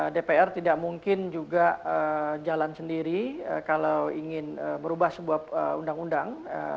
dpr tidak mungkin juga jalan sendiri kalau ingin merubah sebuah undang undang